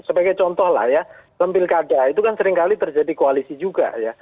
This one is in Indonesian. sebagai contoh lah ya dalam pilkada itu kan seringkali terjadi koalisi juga ya